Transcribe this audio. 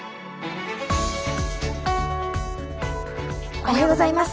おはようございます。